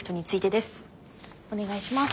お願いします。